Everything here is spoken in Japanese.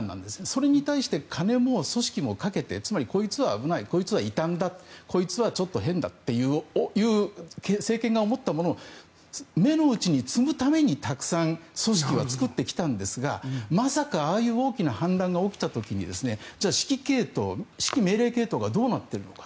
それに対して金も組織もかけてつまりこいつは危ないこいつは異端だこいつはちょっと変だという政権が思ったものを芽のうちに摘むためにたくさん組織は作ってきたんですがまさかああいう大きな反乱が起きた時にじゃあ、指揮命令系統がどうなっているのか。